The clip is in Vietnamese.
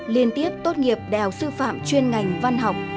liên tiếp tốt nghiệp đại học sư phạm chuyên ngành văn học